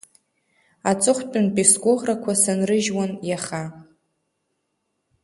Аҵыхәтәантәи сгәыӷрақәа сынрыжьуан иаха.